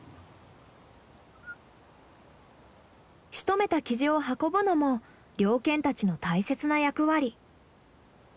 しとめたキジを運ぶのも猟犬たちの大切な役割。